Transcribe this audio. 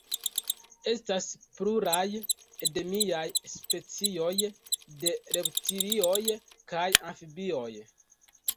Estas pluraj endemiaj specioj de reptilioj kaj amfibioj.